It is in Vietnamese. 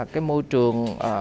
cái môi trường